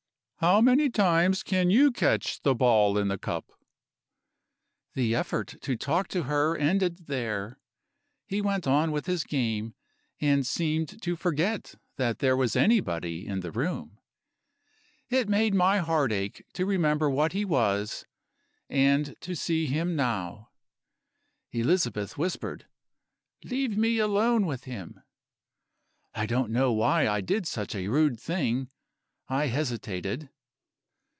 How many times can you catch the ball in the cup?' The effort to talk to her ended there. He went on with his game, and seemed to forget that there was anybody in the room. It made my heart ache to remember what he was and to see him now. "Elizabeth whispered: 'Leave me alone with him.' "I don't know why I did such a rude thing I hesitated.